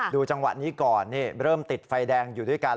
ดูจังหวะนี้ก่อนเริ่มติดไฟแดงอยู่ด้วยกัน